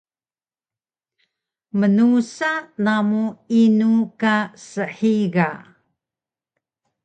Mnusa namu inu ka shiga?